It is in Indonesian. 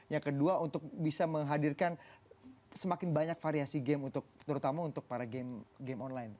yang kedua untuk bisa menghadirkan semakin banyak variasi game untuk terutama untuk para game online